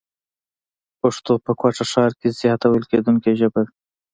پښتو په کوټه ښار کښي زیاته ويل کېدونکې ژبه ده.